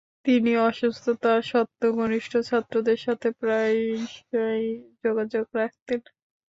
তিনি অসুস্থতা সত্ত্বেও, ঘনিষ্ঠ ছাত্রদের সাথে প্রায়শই যোগাযোগ রাখতেন।